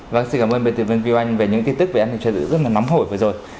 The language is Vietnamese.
và xin cảm ơn bệnh tử viên viu anh về những tin tức về an ninh cho giữ rất là nóng hổi vừa rồi